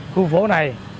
khu phố này